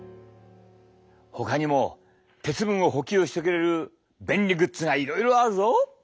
ほかにも鉄分を補給してくれる便利グッズがいろいろあるぞ。